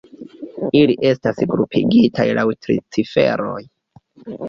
Ili estas grupigitaj laŭ tri ciferoj.